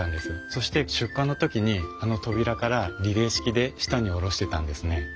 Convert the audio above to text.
そして出荷の時にあの扉からリレー式で下に下ろしてたんですね。